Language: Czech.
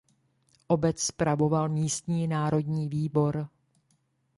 Obec spravoval místní národní výbor.